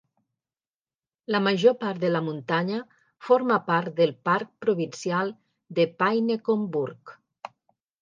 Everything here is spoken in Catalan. La major part de la muntanya forma part del Parc Provincial de Pinecone Burke.